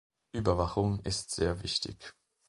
Überwachung ist sehr wichtig.